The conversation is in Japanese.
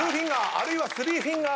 あるいは３フィンガー。